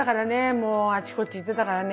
もうあっちこっち行ってたからね。